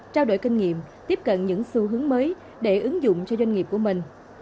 trao đổi kinh nghiệm tiếp cận những xu hướng mới để ứng dụng cho doanh nghiệp của mình